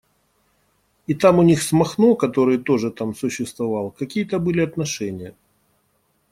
И там у них с Махно, который тоже там существовал, какие-то были отношения.